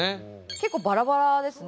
結構バラバラですね。